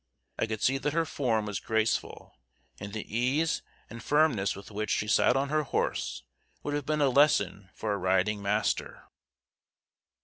I could see that her form was graceful, and the ease and firmness with which she sat on her horse would have been a lesson for a riding master.